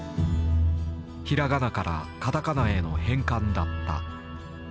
ひらがなからカタカナへの変換だった。